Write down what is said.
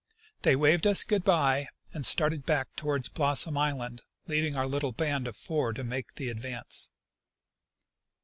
They waveclus '" good bye " and started back toward Blossom island, leaving our little band of four to make the advance.